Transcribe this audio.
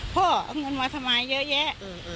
พ่อเอาเงินมาทำไมเยอะแยะ